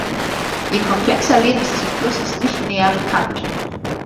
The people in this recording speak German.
Ihr komplexer Lebenszyklus ist nicht näher bekannt.